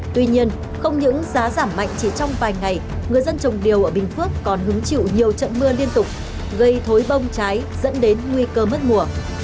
tuy nhiên không những giá giảm mạnh chỉ trong vài ngày người dân trồng điều ở bình phước còn hứng chịu nhiều trận mưa liên tục gây thối bông trái dẫn đến nguy cơ mất mùa